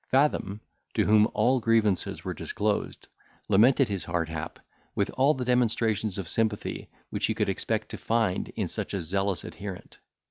Fathom, to whom all his grievances were disclosed, lamented his hard hap with all the demonstrations of sympathy which he could expect to find in such a zealous adherent.